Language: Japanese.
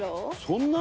そんな？